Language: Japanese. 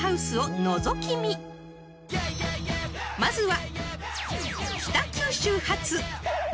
［まずは］